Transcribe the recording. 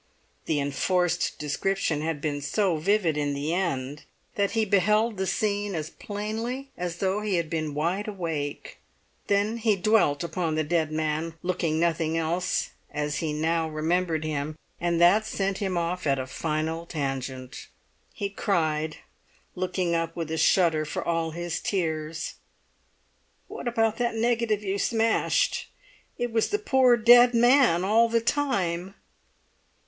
The enforced description had been so vivid in the end that he beheld the scene as plainly as though he had been wide awake. Then he dwelt upon the dead man, looking nothing else as he now remembered him, and that sent him off at a final tangent. He cried, looking up with a shudder for all his tears, "What about that negative you smashed? It was the poor dead man all the time!"